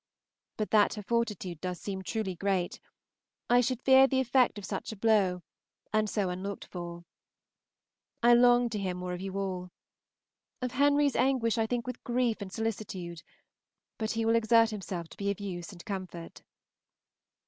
but that her fortitude does seem truly great, I should fear the effect of such a blow, and so unlooked for. I long to hear more of you all. Of Henry's anguish I think with grief and solicitude; but he will exert himself to be of use and comfort.